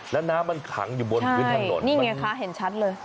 แล้วน้ำมันขังอยู่บนพื้นถนนนี่ไงคะเห็นชัดเลย